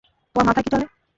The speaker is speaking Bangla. তোমার মাথায় কী চলে?